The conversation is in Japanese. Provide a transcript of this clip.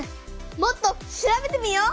もっと調べてみよう！